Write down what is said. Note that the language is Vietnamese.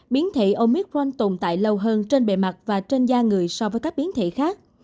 biến thể omicront tồn tại lâu hơn trên bề mặt và trên da người so với các biến thể khác